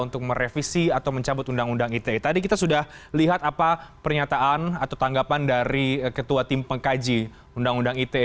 terima kasih pak soekong